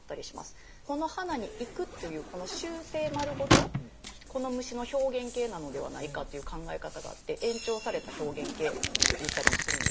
この花に行くというこの習性丸ごとこの虫の表現型なのではないかという考え方があって延長された表現型と言ったりもするんですけど。